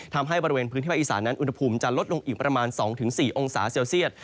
ทำให้บริเวณพื้นที่ภาคอีสานั้นอุณหภูมิจะลดลงอีกประมาณ๒๔องศาเซลเซียต